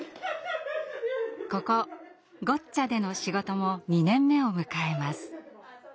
ここゴッチャでの仕事も２年目を迎えます。